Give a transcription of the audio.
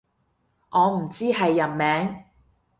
我唔知係人名